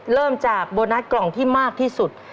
เริ่มจากโบนัสกล่องที่มากที่สุด